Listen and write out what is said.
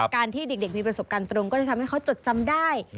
การที่เด็กมีประสบการณ์ตรงก็จะทำให้เขาจดจำได้